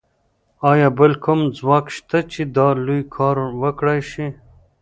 ایا بل کوم ځواک شته چې دا لوی کار وکړای شي